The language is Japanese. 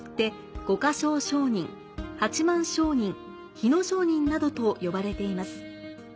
日野商人などと呼ばれています。